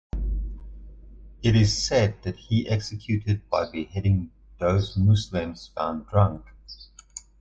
It is said that he executed by beheading those Muslims found drunk.